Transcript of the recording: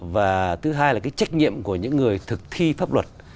và thứ hai là cái trách nhiệm của những người thực thi pháp luật